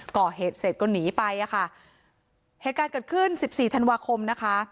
ก่อเหตุเสร็จก็หนีไปอ่ะค่ะเหตุการณ์เกิดขึ้นสิบสี่ธันวาคมนะคะ